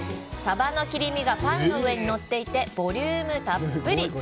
サバの切り身がパンの上にのっていてボリュームたっぷり。